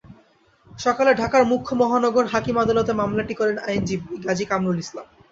সকালে ঢাকার মুখ্য মহানগর হাকিম আদালতে মামলাটি করেন আইনজীবী গাজী কামরুল ইসলাম।